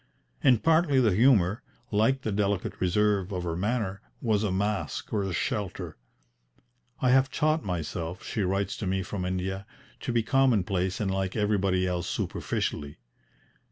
And partly the humour, like the delicate reserve of her manner, was a mask or a shelter. "I have taught myself," she writes to me from India, "to be commonplace and like everybody else superficially.